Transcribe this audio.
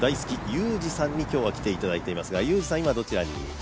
ユージさんに来てもらっていますがユージさん、今どちらに？